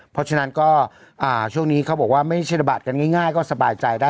เพราะฉะนั้นก็ช่วงนี้เขาบอกว่าไม่ใช่ระบาดกันง่ายก็สบายใจได้